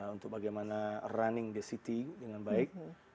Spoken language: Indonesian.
untuk bagaimana running di city dengan baik